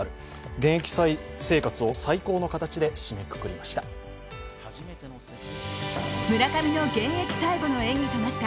現役生活を最高の形で締めくくりました。